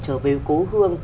trở về cố hương